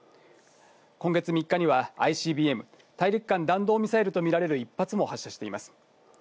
今月３日には、ＩＣＢＭ・大陸間弾道ミサイルと見られる１発も発射しています。